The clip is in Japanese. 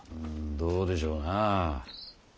どうでしょうなぁ。